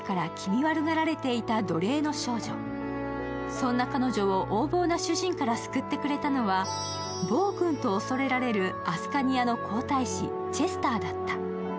そんな彼女を横暴な主人から救ってくれたのは暴君と恐れられるアスカニアの皇太子、チェスターだった。